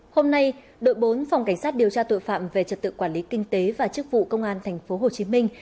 hôm nay đội bốn phòng cảnh sát điều tra tội phạm về trật tự quản lý kinh tế và chức vụ công an thành phố hồ chí minh